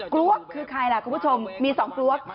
กลัวคือใครล่ะคุณผู้ชมมี๒กลวก